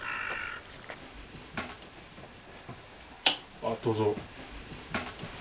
あっどうぞ。